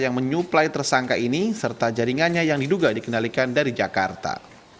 yang menyuplai tersangka ini serta jaringannya yang diduga dikendalikan dari jakarta